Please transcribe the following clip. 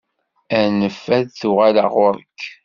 Anef ad d-uɣaleɣ ɣur-k.